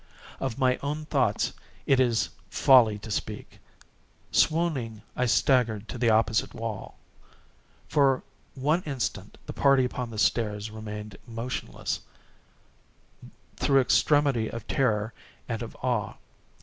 Of my own thoughts it is folly to speak. Swooning, I staggered to the opposite wall. For one instant the party upon the stairs remained motionless, through extremity of terror and of awe.